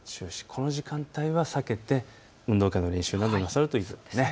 この時間は避けて運動会の練習などをなさるといいですね。